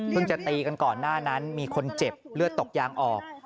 จะตีกันก่อนหน้านั้นมีคนเจ็บเลือดตกยางออก